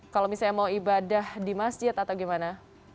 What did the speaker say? kalau misalnya mau ibadah di masjid atau gimana